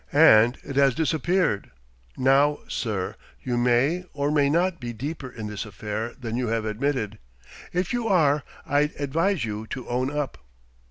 And it has disappeared. Now, sir, you may or may not be deeper in this affair than you have admitted. If you are, I'd advise you to own up."